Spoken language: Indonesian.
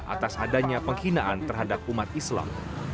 atas adanya penghinaan terhadap umat islam